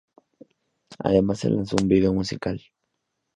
Además se lanzó un video musical.